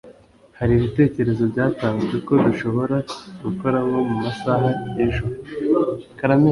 Hari ibitekerezo byatanzwe ko dushobora gukora nko mu masaha y’ijoro